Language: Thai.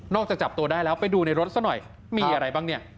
จับตัวได้แล้วไปดูในรถซะหน่อยมีอะไรบ้างเนี่ย